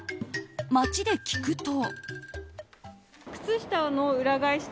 街で聞くと。